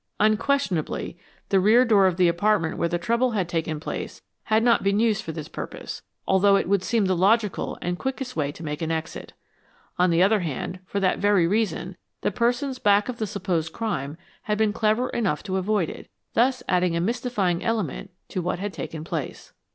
Unquestionably, the rear door of the apartment where the trouble had taken place had not been used for this purpose, although it would seem the logical and quickest way to make an exit. On the other hand, for that very reason, the persons back of the supposed crime had been clever enough to avoid it, thus adding a mystifying element to what had taken place.